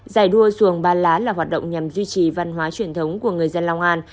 giải đua xuồng ba lá là hoạt động nhằm duy trì văn hóa truyền thống của người dân long an